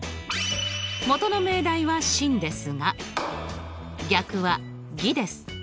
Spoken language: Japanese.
元の命題は真ですが逆は偽です。